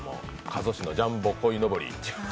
加須市のジャンボこいのぼり。